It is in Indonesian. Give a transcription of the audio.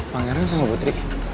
panggirnya sama putri